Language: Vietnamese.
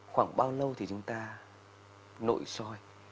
khoảng bao lâu thì chúng ta nội soi